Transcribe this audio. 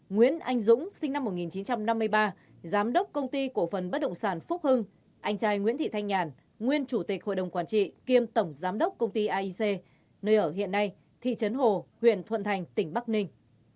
nguyễn anh dũng sinh năm một nghìn chín trăm năm mươi ba giám đốc công ty cổ phần bất động sản phúc hưng anh trai nguyễn thị thanh nhàn nguyên chủ tịch hội đồng quản trị kiêm tổng giám đốc công ty aic nơi ở hiện nay thị trấn hồ huyện thuận thành tỉnh bắc ninh